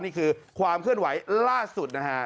นี่คือความเคลื่อนไหวล่าสุดนะฮะ